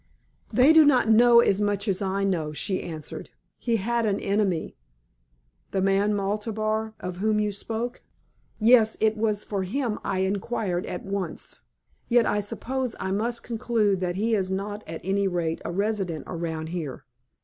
"They do not know as much as I know," she answered. "He had an enemy." "The man Maltabar, of whom you spoke?" "Yes. It was for him I inquired at once. Yet I suppose I must conclude that he is not at any rate a resident around here.